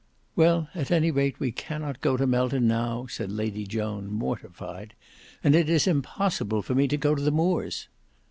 "Well, at any rate we cannot go to Melton now," said Lady Joan mortified; "and it is impossible for me to go to the Moors."